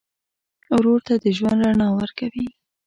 ورور ته د ژوند رڼا ورکوې.